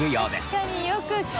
確かによく聞く。